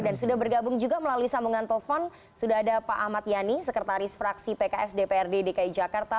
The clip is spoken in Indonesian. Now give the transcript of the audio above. dan sudah bergabung juga melalui sambungan telepon sudah ada pak ahmad yani sekretaris fraksi pks dprd dki jakarta